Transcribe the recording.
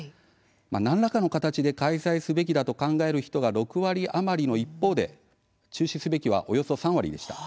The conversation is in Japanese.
何らかの形で開催すべきだと考える人が６割余りの一方で中止すべきは、およそ３割でした。